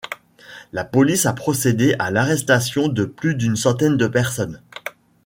La police a procédé à l’arrestation de plus d’une centaine de personnes.